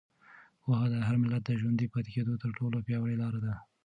پوهه د هر ملت د ژوندي پاتې کېدو تر ټولو پیاوړې لاره ده.